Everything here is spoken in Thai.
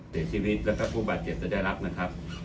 เสียชีวิตและผู้บาดเจ็บจะได้รับ